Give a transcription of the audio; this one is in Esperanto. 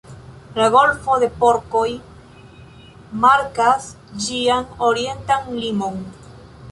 La Golfo de Porkoj markas ĝian orientan limon.